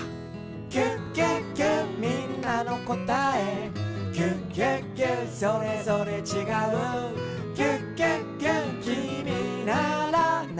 「キュキュキュみんなのこたえ」「キュキュキュそれぞれちがう」「キュキュキュきみならなんてこたえるの？」